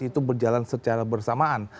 itu berjalan secara bersamaan